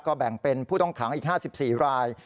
แบ่งเป็นผู้ต้องขังอีก๕๔ราย